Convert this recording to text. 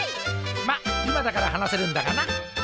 まっ今だから話せるんだがな。